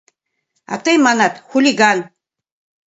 А тый манат — хулиган.